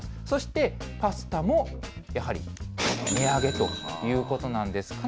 そしてパスタもやはり値上げということなんです。